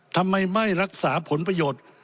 ทำไมไม่รักษาผลประโยชน์